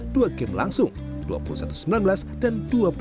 dua game langsung dua puluh satu sembilan belas dan dua puluh satu